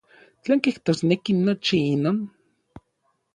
¿Tlen kijtosneki nochi inon?